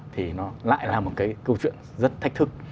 thì nó lại là một cái câu chuyện rất thách thức